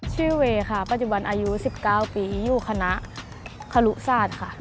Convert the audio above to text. เวย์ค่ะปัจจุบันอายุ๑๙ปีอยู่คณะครุศาสตร์ค่ะ